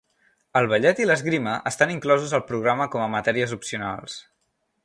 El ballet i l'esgrima estan inclosos al programa com a matèries opcionals.